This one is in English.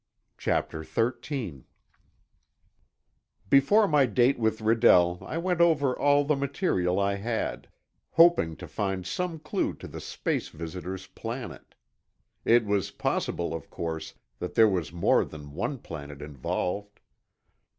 CHAPTER XIII Before my date with Redell, I went over all the material I had, hoping to find some clue to the space visitors' planet. It was possible, of course, that there was more than one planet involved.